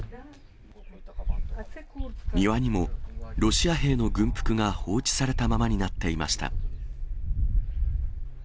庭にもロシア兵の軍服が放置されたままになっていました。